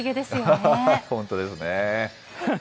本当ですね。